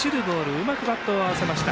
うまくバットを合わせました。